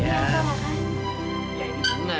ya ini untuk